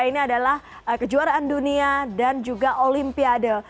ini adalah kejuaraan dunia dan juga olimpiade